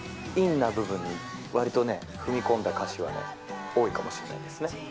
陰な部分にわりと踏み込んだ歌詞はね、多いかもしれないですね。